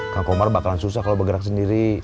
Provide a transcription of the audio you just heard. kak omar bakalan susah kalo bergerak sendiri